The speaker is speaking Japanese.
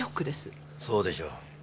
そうでしょう。